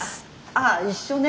ああ一緒ね。